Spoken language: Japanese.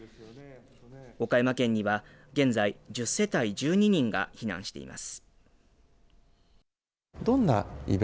岡山県には現在１０世帯１２人が避難しています。